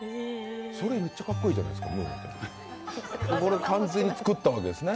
それ、めっちゃかっこいいじゃないですか。